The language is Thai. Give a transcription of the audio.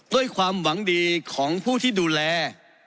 ด้วยความหวังดีของผู้ที่ดูแล